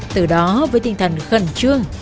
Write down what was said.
từ đó với tinh thần khẩn trương